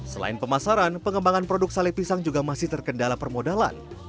selain pemasaran pengembangan produk sale pisang juga masih terkendala permodalan